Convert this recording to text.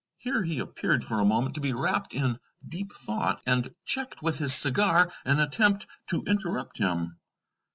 Here he appeared for a moment to be wrapped in deep thought, and checked with his cigar an attempt to interrupt him.